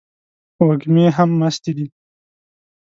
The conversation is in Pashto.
وږمې هم مستې دي